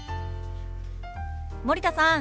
森田さん